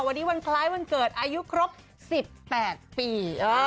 วันนี้วันคล้ายวันเกิดอายุครบ๑๘ปี